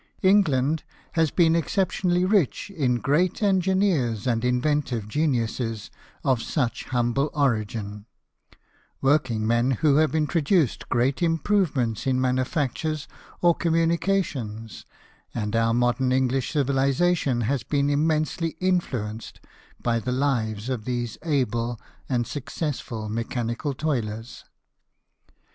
England has been exceptionally rich in great engineers and inventive geniuses of such humble origin working men who have introduced great improvements in manufactures or communications ; and our modern English civilization has been immensely influenced by the lives of these able and successful mechanical toilers.